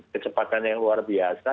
kecepatan yang luar biasa